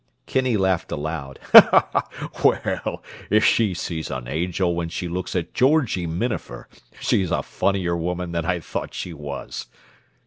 Kinney laughed aloud. "Well, if she sees an angel when she looks at Georgie Minafer, she's a funnier woman than I thought she was!"